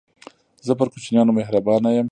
زه پر کوچنيانو مهربانه يم.